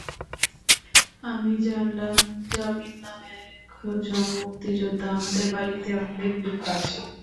আমি জানলাম জামিল নামের একজন মুক্তিযোদ্ধা আমাদের বাড়িতে আমাদের খুব কাছে।